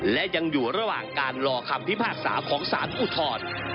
และยังอยู่ระหว่างการรอคำพิพากษาของสารอุทธร